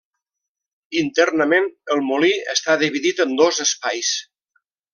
Internament, el molí està dividit en dos espais.